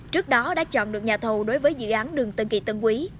trước đó đã chọn được nhà thầu đối với dự án đường tân kỳ tân quý